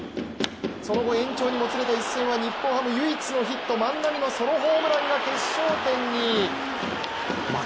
その後延長にもつれた一戦は日本ハム唯一のヒット、万波のソロホームランが決勝点に。